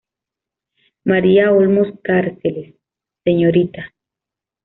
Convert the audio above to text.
María Olmos Cárceles; Srta.